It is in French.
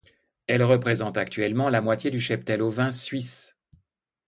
Elle représente actuellement la moitié du cheptel ovin suisse.